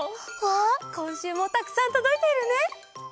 わあこんしゅうもたくさんとどいているね。